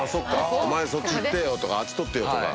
お前そっち行ってよ！とかあっち撮ってよ！とか。